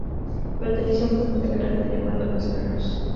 Perteneció a un grupo de karate llamado "Los Guerreros".